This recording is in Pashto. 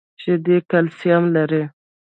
شیدې کلسیم لري